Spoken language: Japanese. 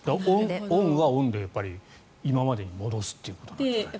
オンはオンで今までに戻すということなんじゃないですか。